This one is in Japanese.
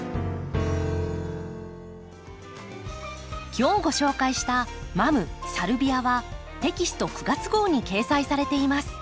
今日ご紹介した「マムサルビア」はテキスト９月号に掲載されています。